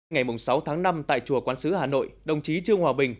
ngày sáu tháng năm tại chùa quán sứ hà nội đồng chí trương hòa bình